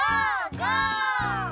ゴー！